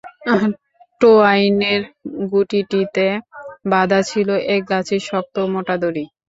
টোয়াইনের গুটিটিতে বাঁধা ছিল একগাছি শক্ত মোটা দড়ি।